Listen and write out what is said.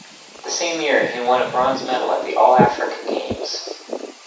The same year he won a bronze medal at the All-Africa Games.